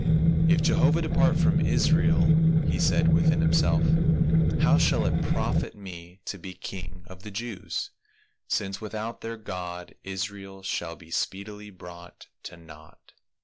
" If Jehovah depart from Israel," he said within himself, " how shall it profit me to be king of the Jews, since without their God, Israel shall be speedily brought to naught."